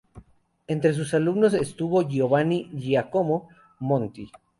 Entre sus alumnos estuvo Giovanni Giacomo Monti.